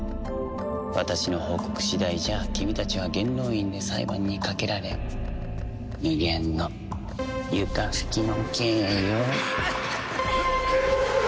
私の報告次第じゃ君たちは元老院で裁判にかけられ無限の床拭きの刑よ。